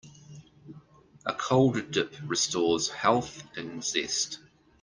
A cold dip restores health and zest.